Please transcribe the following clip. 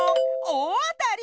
おおあたり！